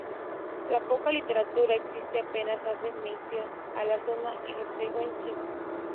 La poca literatura existente apenas hace mención a la zona y los pehuenches.